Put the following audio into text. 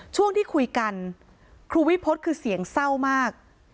ช่วงที่คุยกันครูวิพฤษคือเสียงเศร้ามาก